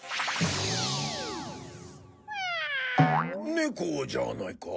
ネコじゃないか？